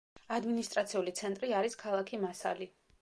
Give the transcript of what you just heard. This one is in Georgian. ადმინისტრაციული ცენტრი არის ქალაქი მასალი.